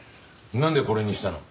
なんでこれにしたの？